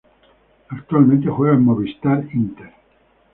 Actualmente juega en Movistar Inter.